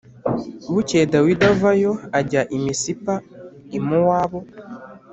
Bukeye Dawidi avayo ajya i Misipa i Mowabu